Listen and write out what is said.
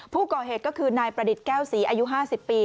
ผู้ก่อเหตุก็คือนายประดิษฐ์แก้วศรีอายุ๕๐ปี